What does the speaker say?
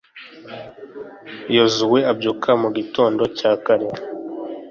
yozuwe abyuka mu gitondo cya kare